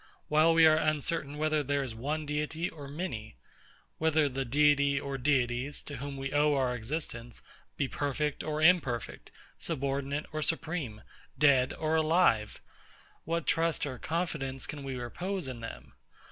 While we are uncertain whether there is one deity or many; whether the deity or deities, to whom we owe our existence, be perfect or imperfect, subordinate or supreme, dead or alive, what trust or confidence can we repose in them?